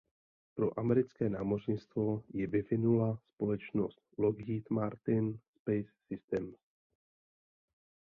Pro americké námořnictvo ji vyvinula společnost Lockheed Martin Space Systems.